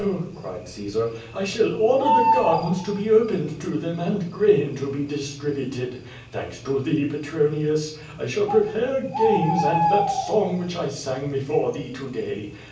cried Caesar. "I shall order the gardens to be opened to them, and grain to be distributed. Thanks to thee, Petronius. I shall prepare games and that song which I sang before thee to day.